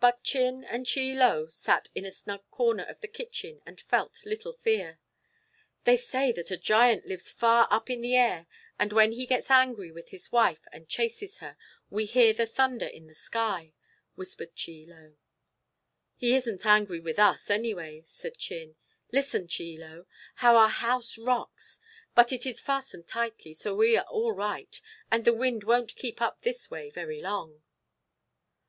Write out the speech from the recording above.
But Chin and Chie Lo sat in a snug corner of the kitchen and felt little fear. "They say that a giant lives far up in the air, and when he gets angry with his wife and chases her, we hear the thunder in the sky," whispered Chie Lo. "He isn't angry with us, anyway," said Chin. "Listen, Chie Lo. How our house rocks! but it is fastened tightly, so we are all right, and the wind won't keep up this way very long."